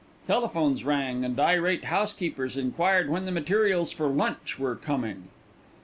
Telephones rang, and irate housekeepers enquired when the materials for lunch were coming.